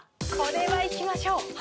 これはいきましょう。